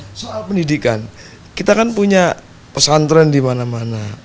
soal pendidikan kita kan punya pesantren dimana mana